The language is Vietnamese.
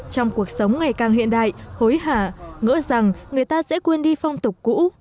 trong cuộc sống ngày càng hiện đại hối hạ ngỡ rằng người ta dễ quên đi phong tục cũ